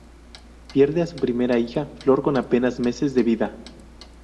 Pierden a su primera hija, Flor con apenas meses de vida.